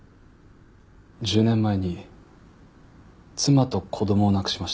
１０年前に妻と子供を亡くしました。